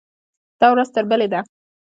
دا ورځ تر بلې ده.